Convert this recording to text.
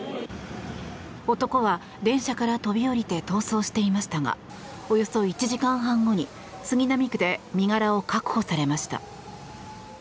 男は電車から飛び降りて逃走していましたがおよそ１時間半後に杉並区で身柄を確保されました。